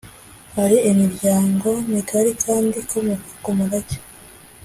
Hari imiryango migari kandi ikomoka ku murage